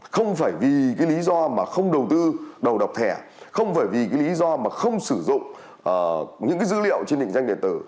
không phải vì cái lý do mà không đầu tư đầu độc thẻ không phải vì cái lý do mà không sử dụng những cái dữ liệu trên định danh điện tử